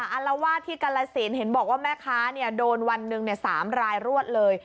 อารวาสที่กรสินเห็นบอกว่าแม่ค้าโดนวันหนึ่ง๓รายรวดเลย